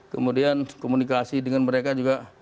kemudian komunikasi dengan mereka juga